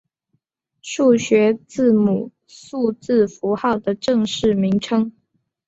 数学字母数字符号的正式名称。